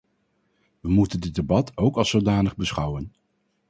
We moeten dit debat ook als zodanig beschouwen.